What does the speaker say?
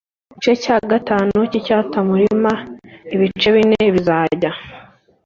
igice cya gatanu cy icyatamurima ibice bine bizajya